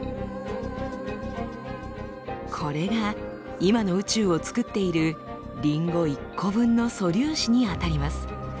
これが今の宇宙をつくっているリンゴ１個分の素粒子にあたります。